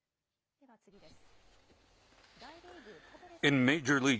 では次です。